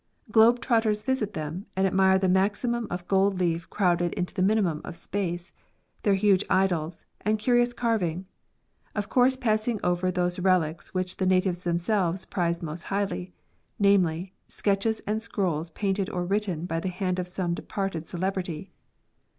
Globe trotters visit them, and admire the maximum of gold leaf crowded into the minimum of space, their huge idols, and curious carving ; of course passing over those relics which the natives themselves prize most highly, namely, sketches and scrolls painted or written by the hand of some departed celebrity.